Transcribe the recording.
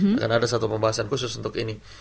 karena ada satu pembahasan khusus untuk ini